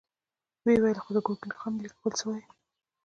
ويې ويل: خو د ګرګين خان ليک بل څه وايي.